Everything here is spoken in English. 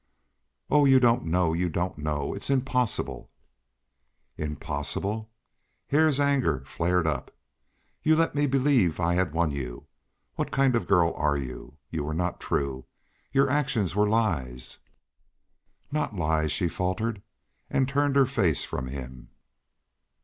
"Oh, you don't know, you don't know. It's impossible!" "Impossible!" Hare's anger flared up. "You let me believe I had won you. What kind of a girl are you? You were not true. Your actions were lies." "Not lies," she faltered, and turned her face from him.